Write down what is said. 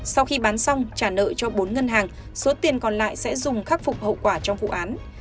sau khi bán xong trả nợ cho bốn ngân hàng số tiền còn lại sẽ dùng khắc phục hậu quả trong vụ án